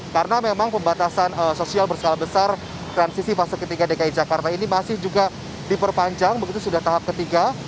karena memang pembatasan sosial berskala besar transisi fase ketiga dki jakarta ini masih juga diperpanjang begitu sudah tahap ketiga